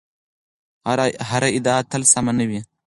هره ادعا تل سمه نه وي.